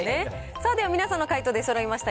さあでは、皆さんの解答、出そろいました。